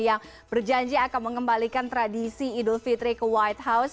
yang berjanji akan mengembalikan tradisi idul fitri ke white house